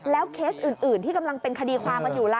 เคสอื่นที่กำลังเป็นคดีความกันอยู่ล่ะ